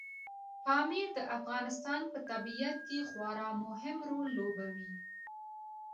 پامیر د افغانستان په طبیعت کې خورا مهم رول لوبوي.